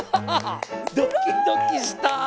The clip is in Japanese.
ドキドキした。